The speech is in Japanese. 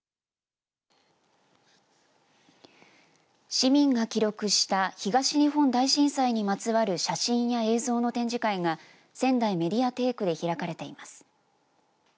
市民が記録した東日本大震災にまつわる写真や映像の展示会がせんだいメディアテークで開かれています。